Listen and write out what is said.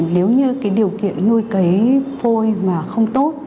nếu như điều kiện nuôi cấy phôi không tốt